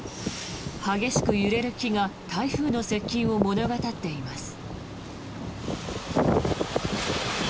激しく揺れる木が台風の接近を物語っています。